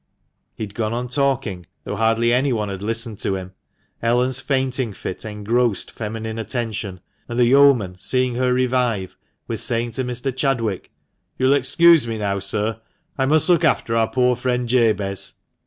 He had gone on talking, though hardly anyone had listened to him. Ellen's fainting fit engrossed feminine attention, and the yeoman, seeing her revive, was saying to Mr. Chadwick, "You will excuse me now, sir. I must look after our poor friend Jabez."